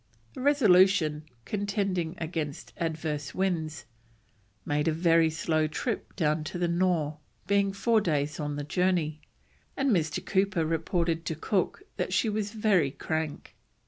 The Resolution, contending against adverse winds, made a very slow trip down to the Nore, being four days on the journey, and Mr. Cooper reported to Cook that she was very crank.